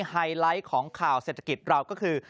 ไฮไลท์ของข่าวเศรษฐกิจเราก็คือ